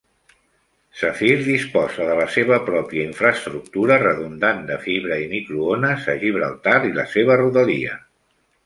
Sapphire disposa de la seva pròpia infraestructura redundant de fibra i microones a Gibraltar i la seva rodalia.